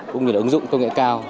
cũng như là ứng dụng công nghệ cao